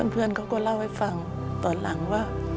เพื่อนเขาก็เล่าให้ฟังตอนหลังว่า